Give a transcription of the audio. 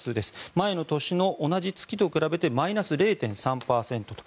前の年の同じ月と比べてマイナス０．３％と。